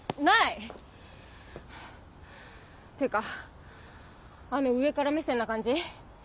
ハァっていうかあの上から目線な感じ